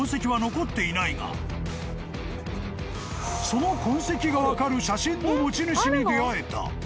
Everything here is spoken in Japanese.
［その痕跡が分かる写真の持ち主に出会えた］